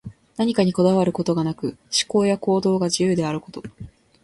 何かにこだわることがなく、思考や行動が自由であること。